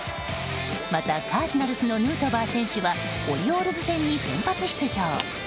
また、カージナルスのヌートバー選手はオリオールズ戦に先発出場。